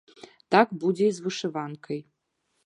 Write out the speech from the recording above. Так будзе і з вышыванкай.